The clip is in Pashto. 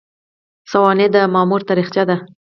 سوانح د مامور تاریخچه ده